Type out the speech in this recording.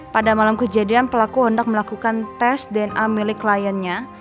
pada malam kejadian pelaku hendak melakukan tes dna milik kliennya